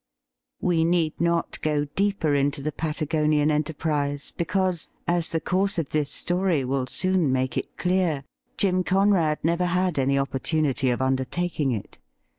We need not go deeper into the Patagonian enterprise, because, as the course of this story will soon make it clear, Jim Conrad never had any opportunity of undertaking it.